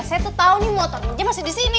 saya tuh tau nih motornya masih disini